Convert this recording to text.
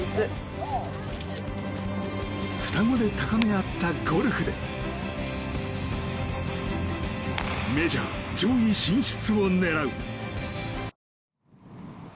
双子で高め合ったゴルフでメジャー上位進出を狙う。